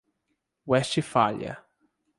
Westfália